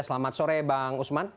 selamat sore bang usman